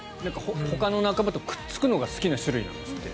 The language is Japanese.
ほかの仲間とくっつくのが好きな種類なんですって。